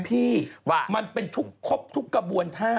พี่มันเป็นครบทุกกระบวน๕